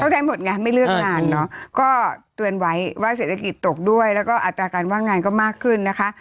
ได้หมดงานไม่เลือกงานเนอะก็เตือนไว้ว่าเศรษฐกิจตกด้วยแล้วก็อัตราการว่างงานก็มากขึ้นนะคะ